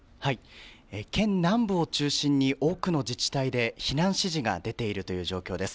県南部を中心に多くの自治体で避難指示が出ているという状況です。